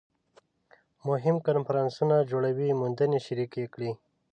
مهم کنفرانسونه جوړوي موندنې شریکې کړي